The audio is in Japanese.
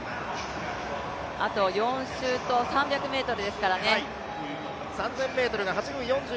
あと４周と３００ｍですからね。